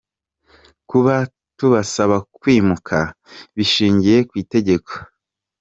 Kuba tubasaba kwimuka bishingiye ku itegeko.